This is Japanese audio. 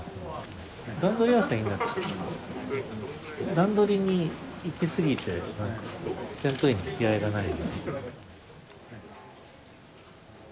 段取りにいきすぎて戦闘員に気合いがない。